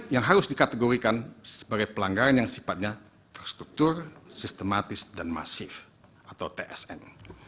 yang harus dikategorikan sebagai pelanggaran yang sifatnya terstruktur sistematis dan masif atau tsn